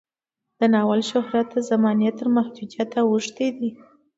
د ناول شهرت د زمانې تر محدودیت اوښتی دی.